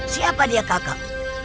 siapa dia kakak